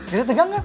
jadi tegang gak